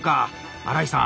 荒井さん